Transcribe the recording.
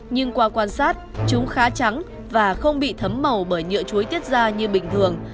nhưng qua quan sát chúng khá trắng và không bị thấm màu bởi nhựa chuối tiết ra như bình thường